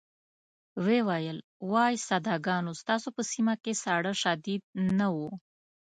وویل وای ساده ګانو ستاسو په سيمه کې ساړه شديد نه وو.